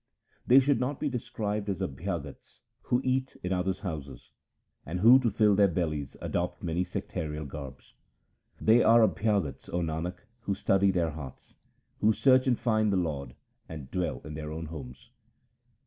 They should not be described as Abhyagats who eat in other's houses, And who to fill their bellies adopt many sectarial garbs. They are Abhyagats, O Nanak, who study their hearts, Who search and find the Lord, and dwell in their own homes.